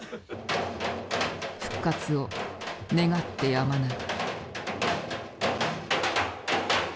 復活を願ってやまない。